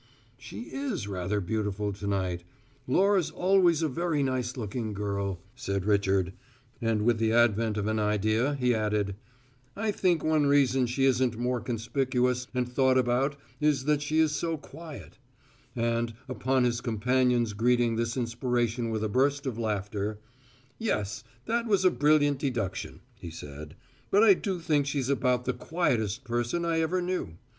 "She is rather beautiful to night. Laura's always a very nice looking girl," said Richard, and with the advent of an idea, he added: "I think one reason she isn't more conspicuous and thought about is that she is so quiet," and, upon his companion's greeting this inspiration with a burst of laughter, "Yes, that was a brilliant deduction," he said; "but I do think she's about the quietest person I ever knew.